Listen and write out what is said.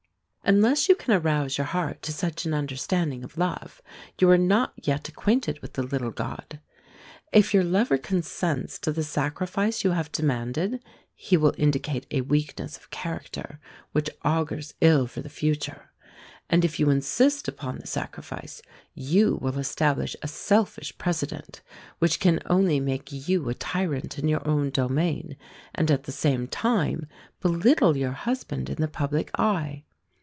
Unless you can arouse your heart to such an understanding of love, you are not yet acquainted with the little god. If your lover consents to the sacrifice you have demanded, he will indicate a weakness of character which augurs ill for the future: and if you insist upon the sacrifice, you will establish a selfish precedent which can only make you a tyrant in your own domain, and at the same time belittle your husband in the public eye.